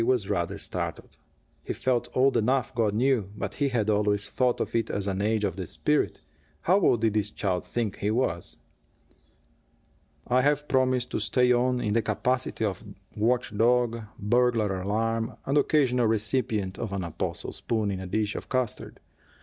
was rather startled. He felt old enough, God knew, but he had always thought of it as an age of the spirit. How old did this child think he was? "I have promised to stay on, in the capacity of watch dog, burglar alarm, and occasional recipient of an apostle spoon in a dish of custard.